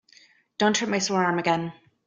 Don't hurt my sore arm again.